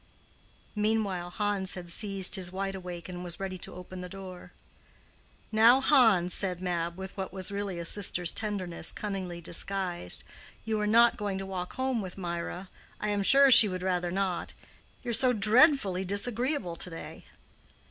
Meanwhile Hans had seized his wide awake, and was ready to open the door. "Now, Hans," said Mab, with what was really a sister's tenderness cunningly disguised, "you are not going to walk home with Mirah. I am sure she would rather not. You are so dreadfully disagreeable to day."